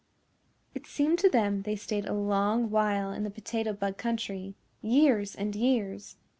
It seemed to them they stayed a long while in the Potato Bug Country, years and years.